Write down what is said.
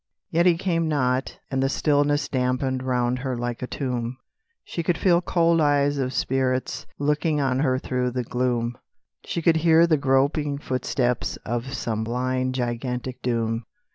Yet he came not, and the stillness Dampened round her like a tomb; She could feel cold eyes of spirits Looking on her through the gloom, She could hear the groping footsteps Of some blind, gigantic doom.